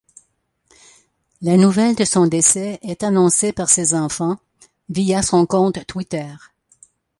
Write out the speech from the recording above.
La nouvelle de son décès est annoncée par ses enfants via son compte Twitter.